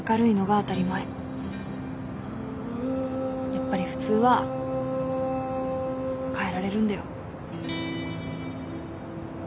やっぱり普通は変えられるんだよ。